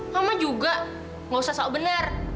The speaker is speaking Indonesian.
mama juga nggak usah sok bener